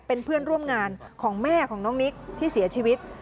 เป็นเพื่อนร่วมงานของแม่ของน้องนิกที่เสียชีวิต